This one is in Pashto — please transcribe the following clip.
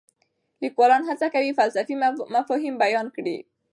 لیکوالان هڅه کوي فلسفي مفاهیم بیان کړي.